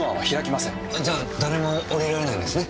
じゃあ誰も降りられないんですね？